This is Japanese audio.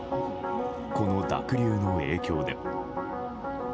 この濁流の影響で。